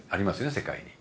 世界に。